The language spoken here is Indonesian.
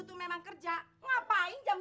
belum kasih cek sama saya bu